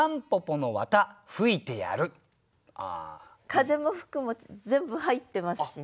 「風」も「吹く」も全部入ってますしね。